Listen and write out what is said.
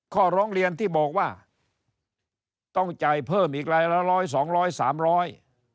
ข้อร้องเรียนที่บอกว่าต้องจ่ายเพิ่มอีกรายละร้อยสองร้อยสามร้อย